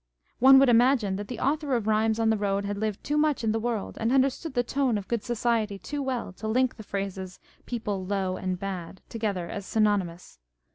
One would imagine that the Author of Rhymes on the Road had lived too much in the world, and understood the tone of good society too well to link the phrases "people low and bad" together as synonymous.